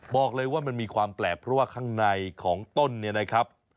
บอกเลยว่ามันมีความแปลกเพราะว่าข้างในของต้นเนี่ยนะครับ